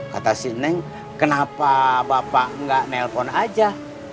kata si neng kenapa bapak nggak nelpon aja